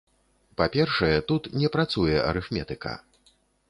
Па-першае, тут не працуе арыфметыка.